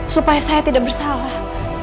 supaya saya tidak bersalah